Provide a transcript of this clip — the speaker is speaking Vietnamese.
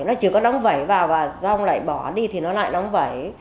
nó chỉ có nóng vẩy vào và xong lại bỏ đi thì nó lại nóng vẩy